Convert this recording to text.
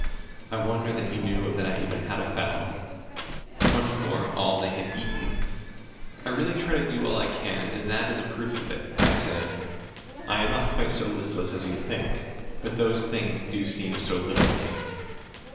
I wonder that you knew that I even had a fowl; much more how much they had eaten!" "I really do try to do all I can, and that is a proof of it," I said. "I am not quite so listless as you think. But those things do seem so little to me."